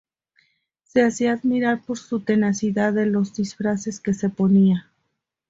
Se hacía admirar por su tenacidad de los disfraces que se ponía.